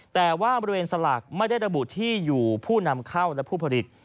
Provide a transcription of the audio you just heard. แต่ว่าบริเวณสลากไม่ได้ระบุที่อยู่ผู้นำเข้าและผู้ผลิต